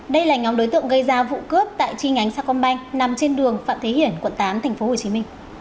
đây là nhóm đối tượng gây ra vụ cướp tại chi nhánh sa công banh nằm trên đường phạm thế hiển quận tám tp hcm